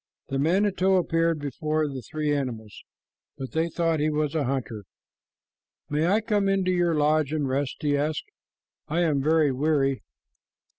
The manito appeared before the three animals, but they thought he was a hunter. "May I come into your lodge and rest?" he asked. "I am very weary."